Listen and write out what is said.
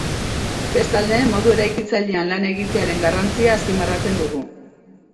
Bestalde, modu eraikitzailean lan egitearen garrantzia azpimarratzen dugu.